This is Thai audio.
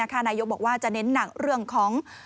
นายกบอกว่าจะเน้นหนักเรื่องของ